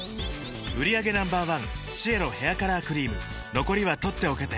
売上№１シエロヘアカラークリーム残りは取っておけて